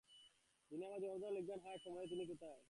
যিনি আমার জীবনবৃত্তান্ত লিখবেন, হায়, এ সময়ে তিনি কোথায়?